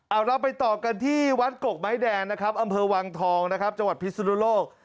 เอาเราไปต่อกันที่วัดกกไม้แดงนะครับอำเภอวังทองนะครับจังหวัดพิสุนุโลก